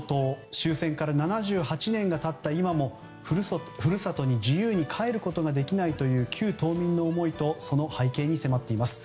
終戦から７８年が経った今も故郷に自由に変えることができないという旧島民の思いとその背景に迫っています。